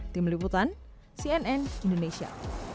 tim liputan cnn indonesia